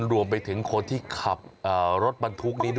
รวมไปถึงคนที่ขับรถบรรทุกนี้